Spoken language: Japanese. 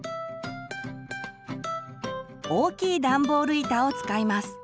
大きいダンボール板を使います。